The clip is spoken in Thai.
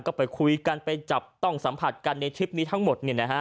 ก็ไปคุยกันไปจับต้องสัมผัสกันในทริปนี้ทั้งหมด